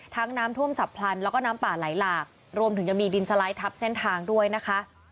น้ำท่วมฉับพลันแล้วก็น้ำป่าไหลหลากรวมถึงยังมีดินสไลด์ทับเส้นทางด้วยนะคะ